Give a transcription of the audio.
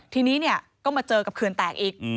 ทีนี้ก็มาเจอกับเขื่อนแตกอีก